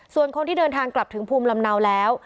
ส่วนคนที่เดินทางกลับถึงภูมิลำเนาแล้ว